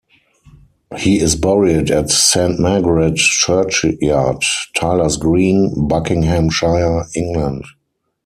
He is buried at Saint Margaret Churchyard, Tylers Green, Buckinghamshire, England.